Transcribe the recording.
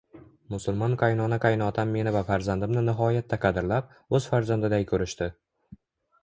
Musulmon qaynona-qaynotam meni va farzandimni nihoyatda qadrlab, o‘z farzandiday ko‘rishdi